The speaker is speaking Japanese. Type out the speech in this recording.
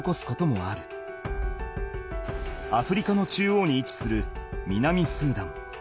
アフリカの中央にいちする南スーダン。